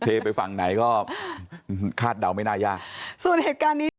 เทไปฟังไหนก็คาดเดาไม่น่ายาก